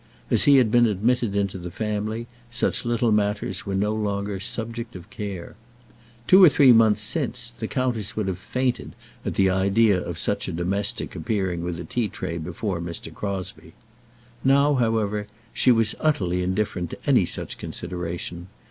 As he had been admitted into the family, such little matters were no longer subject of care. Two or three months since, the countess would have fainted at the idea of such a domestic appearing with a tea tray before Mr. Crosbie. Now, however, she was utterly indifferent to any such consideration.